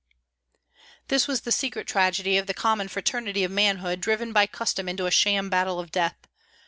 This was the secret tragedy of the common fraternity of manhood driven by custom into a sham battle of death.